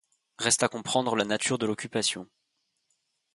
Reste à comprendre la nature de l'occupation.